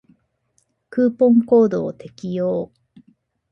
クーポンコードを適用